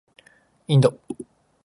インド